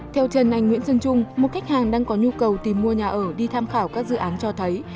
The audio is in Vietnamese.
theo trần anh nguyễn sơn trung một khách hàng đang có nhu cầu tìm mua nhà ở đi tham khảo các dự án cho thấy